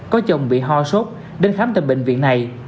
có chồng bị ho sốt đến khám tại bệnh viện này